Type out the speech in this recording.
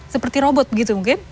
seperti robot begitu mungkin